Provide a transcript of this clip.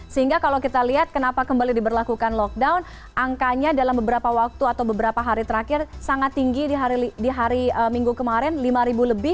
sehingga kalau kita lihat kenapa kembali diberlakukan lockdown angkanya dalam beberapa waktu atau beberapa hari terakhir sangat tinggi di hari minggu kemarin lima lebih